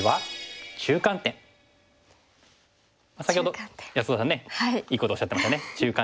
先ほど安田さんねいいことおっしゃってましたね中間点。